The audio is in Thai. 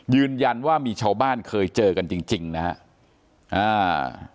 ยืนยันว่ามีชาวบ้านเคยเจอกันจริงจริงนะฮะอ่า